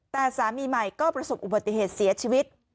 แต่สามีใหม่ก็ประสบอุบัติเหตุเสียชีวิต